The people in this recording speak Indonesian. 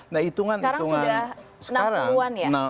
nah itu sekarang sudah enam puluh an ya